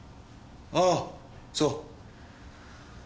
ああそう。